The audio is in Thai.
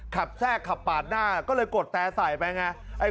แทรกขับปาดหน้าก็เลยกดแต่ใส่ไปไง